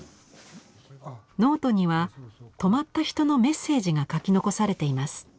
ノートには泊まった人のメッセージが書き残されています。